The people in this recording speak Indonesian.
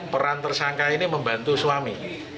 peran tersangka ini membantu suami